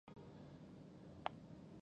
که ولوېدلې